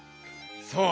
そう！